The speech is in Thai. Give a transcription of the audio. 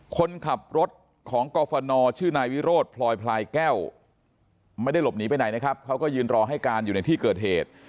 คนขับรถของกรฟนชื่อนายวิโรธพลอยพลายแก้วไม่ได้หลบหนีไปไหนนะครับเขาก็ยืนรอให้การอยู่ในที่เกิดเหตุ